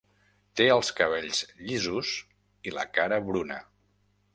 Té els cabells llisos i la cara bruna.